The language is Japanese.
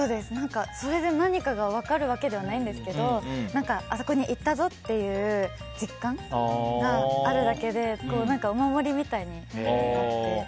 それで何かが分かるわけではないんですがあそこに行ったぞっていう実感があるだけで何か、お守りみたいになって。